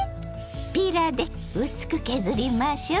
ピーラーで薄く削りましょう。